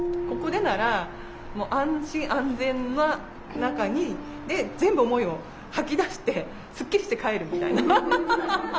ここでなら安心・安全な中で全部思いを吐き出してすっきりして帰るみたいな。